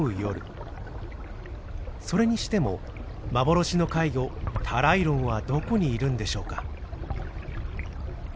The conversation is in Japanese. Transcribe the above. それにしても幻の怪魚タライロンはどこにいるんでしょうか？